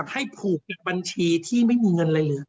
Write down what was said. ให้ผูกกับบัญชีที่ไม่มีเงินเลย